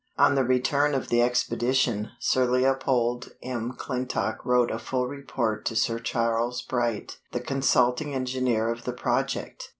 On the return of the expedition, Sir Leopold M'Clintock wrote a full report to Sir Charles Bright, the consulting engineer of the project.